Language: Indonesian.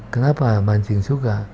kenapa mancing suka